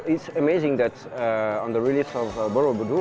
ini luar biasa di relief borobudur